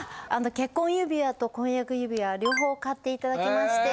結婚指輪と婚約指輪両方買っていただきまして。